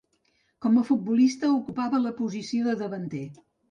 Com a futbolista, ocupava la posició de davanter.